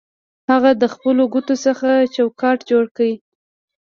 هغه د خپلو ګوتو څخه چوکاټ جوړ کړ